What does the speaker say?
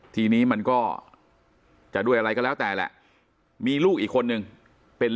ทีนี้มันก็จะด้วยอะไรก็แล้วแต่แหละมีลูกอีกคนนึงเป็น